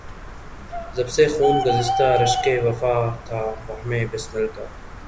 ز بس خوں گشتۂ رشک وفا تھا وہم بسمل کا